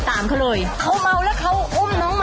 เรายุ่กับเจ้าหมาของด้านหมูกระทะน้องบูม